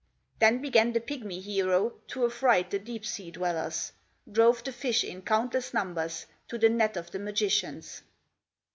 Then began the pigmy hero, To affright the deep sea dwellers; Drove the fish in countless numbers To the net of the magicians.